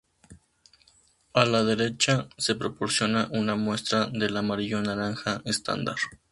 A la derecha se proporciona una muestra del amarillo naranja estándar.